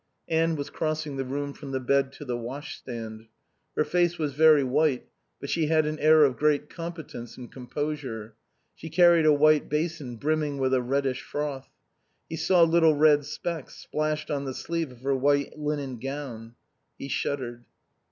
Anne was crossing the room from the bed to the washstand. Her face was very white but she had an air of great competence and composure. She carried a white basin brimming with a reddish froth. He saw little red specks splashed on the sleeve of her white linen gown. He shuddered.